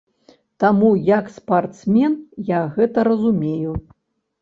Таму як спартсмен я гэта разумею.